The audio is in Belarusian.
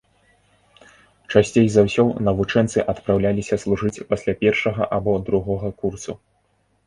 Часцей за ўсё навучэнцы адпраўляліся служыць пасля першага або другога курсу.